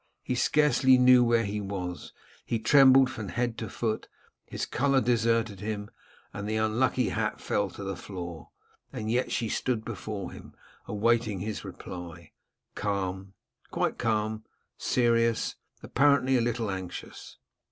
He scarcely knew where he was. He trembled from head to foot. His colour deserted him, and the unlucky hat fell to the floor; and yet she stood before him, awaiting his reply, calm, quite calm, serious, apparently a little anxious.